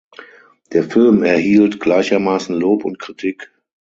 Der Film erhielt gleichermaßen Lob und Kritik.